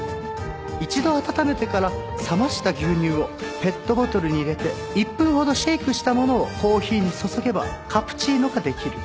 一度温めてから冷ました牛乳をペットボトルに入れて１分ほどシェイクしたものをコーヒーに注げばカプチーノができる。